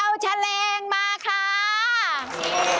สวัสดีครับ